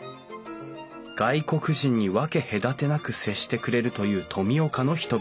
外国人に分け隔てなく接してくれるという富岡の人々。